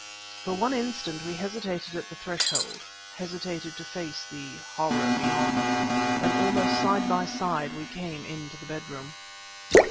For one instant we hesitated at the threshold hesitated to face the horror beyond; then almost side by side we came into the bedroom....